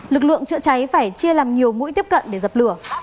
lực lượng chữa cháy phải chia làm nhiều mũi tiếp cận để dập lửa